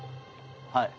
はい。